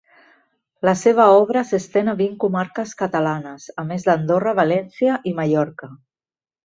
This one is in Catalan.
La seva obra s'estén a vint comarques catalanes, a més d'Andorra, València i Mallorca.